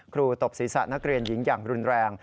ตบศีรษะนักเรียนหญิงอย่างรุนแรง